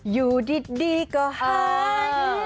อยู่ดีก็หาย